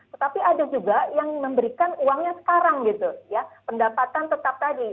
tetapi ada juga yang memberikan uangnya sekarang gitu ya pendapatan tetap tadi